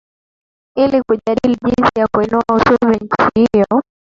ili kujadili jinsi ya kuinua uchumi wa nchini hiyo